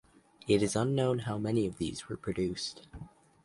It is unknown how many of these were produced.